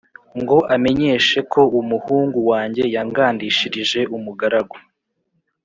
ngo amenyeshe ko umuhungu wanjye yangandishirije umugaragu